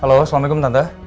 halo assalamualaikum tante